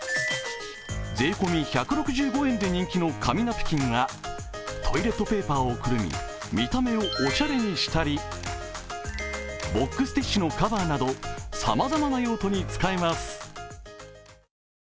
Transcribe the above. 税込み１６５円で人気の紙ナプキンがトイレットペーパーをくるみ見た目をおしゃれにしたり、ボックスティッシュのカバーなどさまざまな用途に使えます。